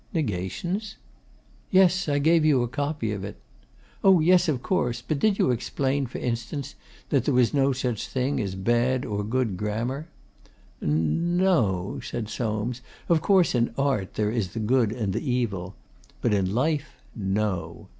'"Negations"?' 'Yes; I gave you a copy of it.' 'Oh yes, of course. But did you explain for instance that there was no such thing as bad or good grammar?' 'N no,' said Soames. 'Of course in Art there is the good and the evil. But in Life no.